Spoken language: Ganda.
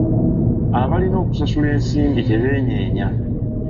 Abalina okusasula ensimbi tebeenyeenya.